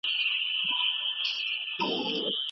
په کور کي پر پرده باندي تصوير وو.